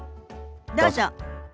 どうぞ。